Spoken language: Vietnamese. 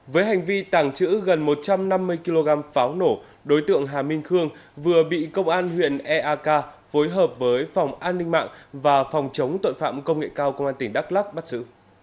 với hành vi tàng trữ gần một trăm năm mươi kg pháo nổ đối tượng hà minh khương vừa bị công an huyện eak phối hợp với phòng an ninh mạng và phòng chống tội phạm công nghệ cao công an tỉnh đắk lắc bắt giữ